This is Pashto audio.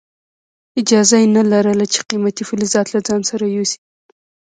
اجازه یې نه لرله چې قیمتي فلزات له ځان سره یوسي.